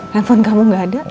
handphone kamu nggak ada